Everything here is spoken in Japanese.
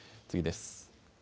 次です。